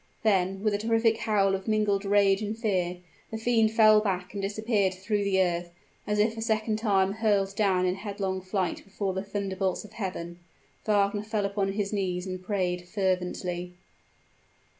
Then, with a terrific howl of mingled rage and fear, the fiend fell back and disappeared through the earth as if a second time hurled down in headlong flight before the thunderbolts of heaven. Wagner fell upon his knees and prayed fervently.